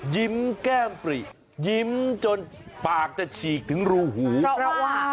ยิ้มแก้มปริยิ้มจนปากจะฉีกถึงรูหูเพราะว่า